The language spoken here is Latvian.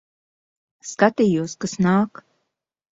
Skatījos, kas nāk.